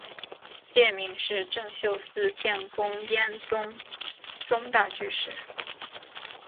戒名是政秀寺殿功庵宗忠大居士。